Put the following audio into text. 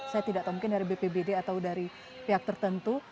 saya tidak tahu mungkin dari bpbd atau dari pihak tertentu